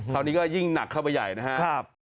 คราวนี้ก็ยิ่งหนักเข้าไปใหญ่นะครับ